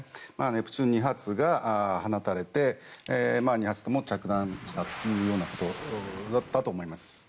ネプチューン２発が放たれて２発とも着弾したということだったと思います。